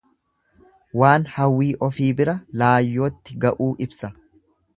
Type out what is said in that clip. Waan hawwii ofii bira laayyootti ga'uu ibsa.